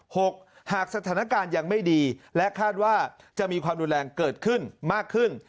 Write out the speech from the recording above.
หากสถานการณ์ยังไม่ดีและคาดว่าจะมีความรุนแรงเกิดขึ้นมากขึ้น